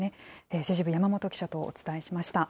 政治部、山本記者とお伝えしました。